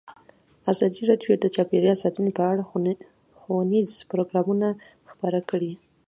ازادي راډیو د چاپیریال ساتنه په اړه ښوونیز پروګرامونه خپاره کړي.